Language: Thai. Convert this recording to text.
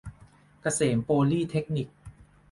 เกษมโปลีเทคนิค